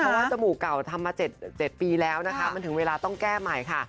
เพราะว่าจมูกเก่าทำมา๗ปีแล้วนะคะมันถึงเวลาต้องแก้ใหม่ค่ะ